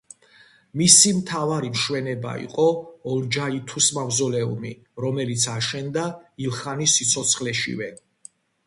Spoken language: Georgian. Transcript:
მისი მთავარი მშვენება იყო ოლჯაითუს მავზოლეუმი, რომელიც აშენდა ილხანის სიცოცხლეშივე.